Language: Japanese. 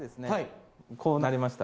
こうなりました。